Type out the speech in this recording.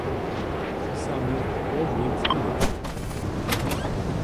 Pisamy powójnske lěta.